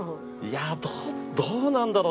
いやどうなんだろう？